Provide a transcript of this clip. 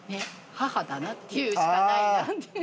母だなっていうしかないなっていう。